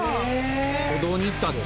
歩道に行ったで。